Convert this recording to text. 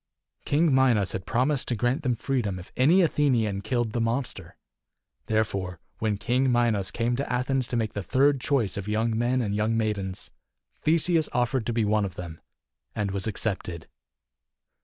King Minos had promised to grant them freedom if any Athenian killed the monster. Therefore, when King Minos came to Athens to make the third choice of young men and young maidens, Theseus offered to be one of them, and was accepted.